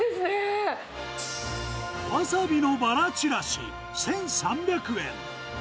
わさびのバラちらし１３００円。